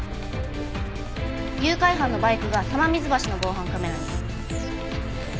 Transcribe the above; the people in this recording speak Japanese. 誘拐犯のバイクが玉水橋の防犯カメラに。